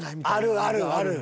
あるあるある！